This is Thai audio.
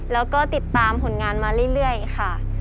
แล้วก็ติดตามผลงานมาเรื่อยค่ะ